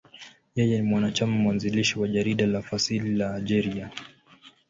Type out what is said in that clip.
Yeye ni mwanachama mwanzilishi wa jarida la fasihi la Algeria, L'Ivrescq.